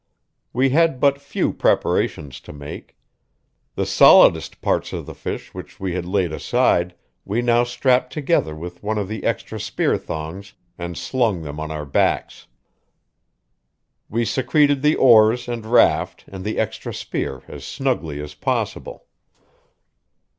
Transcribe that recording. We had but few preparations to make. The solidest parts of the fish which we had laid aside we now strapped together with one of the extra spear thongs and slung them on our backs. We secreted the oars and raft and the extra spear as snugly as possible.